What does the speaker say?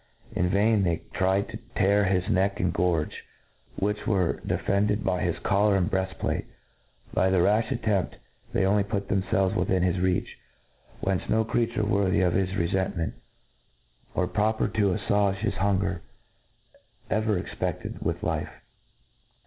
In vain they tried to tear his neck and gorge, which were dcf fended by his jppUar and breafttplate y — ^by the XdQx attempt, they only put themfelves yrithin hijs reach, whence no creature worthy of his refentr meiit, or proper to affuage his hunger, ever efcar ped with life.